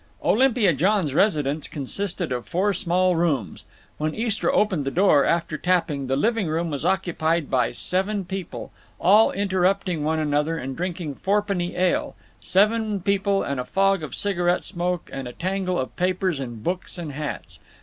Olympia Johns' residence consisted of four small rooms. When Istra opened the door, after tapping, the living room was occupied by seven people, all interrupting one another and drinking fourpenny ale; seven people and a fog of cigarette smoke and a tangle of papers and books and hats.